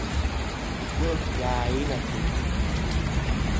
Игәы иааинаҭеит…